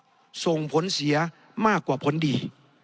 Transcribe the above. มันต้องผลเสียมากกว่าผลดี